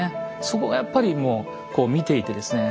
そこがやっぱりもうこう見ていてですね